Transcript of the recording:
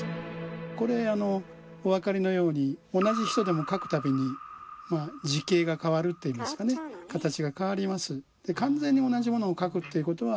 これお分かりのように同じ人でも書く度に字形が変わるといいますかね形が変わります。